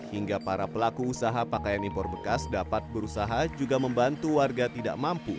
hingga para pelaku usaha pakaian impor bekas dapat berusaha juga membantu warga tidak mampu